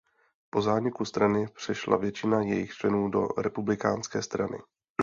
Po zániku strany přešla většina jejích členů do Republikánské strany.